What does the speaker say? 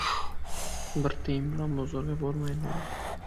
• Bir tiyin bilan bozorga bormaydilar.